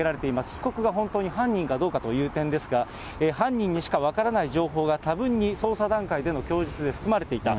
被告が本当に犯人かどうかという点ですが、犯人にしか分からない状況が多分に捜査段階での供述に含まれていた。